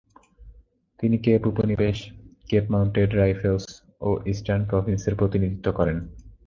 তিনি কেপ উপনিবেশ, Cape Mounted Rifles ও ইস্টার্ন প্রভিন্সের প্রতিনিধিত্ব করেন।